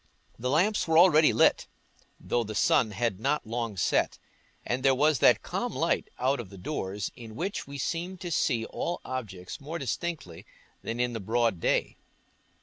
The lamps were already lit, though the sun had not long set, and there was that calm light out of doors in which we seem to see all objects more distinctly than in the broad day.